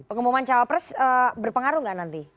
pengumuman cowapress berpengaruh gak nanti